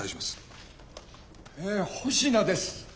え保科です。